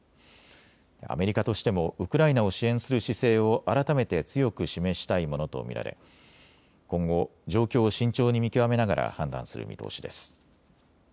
アメリカとしてもウクライナを支援する姿勢を改めて強く示したいものと見られ今後、状況を慎重に見極めながら判断する見通しです。